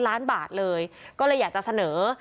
ล้านบาทเลยก็เลยอยากจะเสนอ